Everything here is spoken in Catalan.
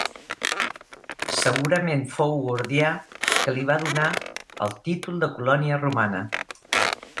Segurament fou Gordià que li va donar el títol de colònia romana.